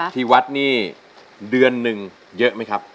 ที่วัดนี่เดือนหนึ่งเยอะไหมครับ